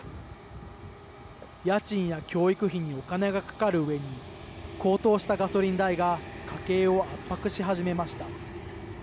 家賃や教育費にお金がかかるうえに高騰したガソリン代が家計を圧迫し始めました。